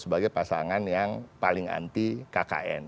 sebagai pasangan yang paling anti kkn